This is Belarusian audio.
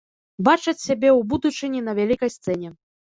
Бачаць сябе ў будучыні на вялікай сцэне.